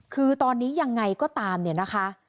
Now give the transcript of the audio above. คือตอนนี้ยังไงก็ตามเนี่ยนะคะ